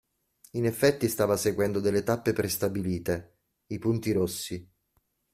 In effetti stava seguendo delle tappe prestabilite: i punti rossi.